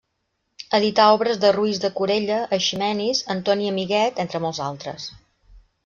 Edità obres de Roís de Corella, Eiximenis, Antoni Amiguet, entre molts altres.